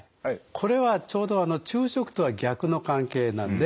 これはちょうど昼食とは逆の関係なんで。